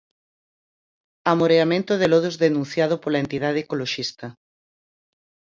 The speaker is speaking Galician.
Amoreamento de lodos denunciado pola entidade ecoloxista.